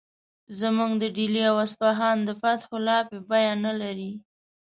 زموږ د ډیلي او اصفهان د فتحو لاپې بیه نه لري.